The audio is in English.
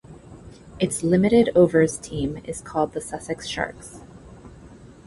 Its limited overs team is called the Sussex Sharks.